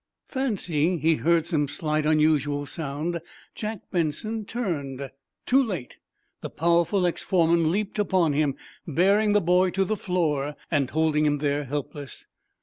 Fancying he heard some slight, unusual sound, Jack Benson turned. Too late! The powerful ex foreman leaped, upon him, bearing the boy to the floor and holding him there helpless.